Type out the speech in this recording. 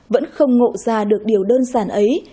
vẫn không ngộ ra được điều đơn giản ấy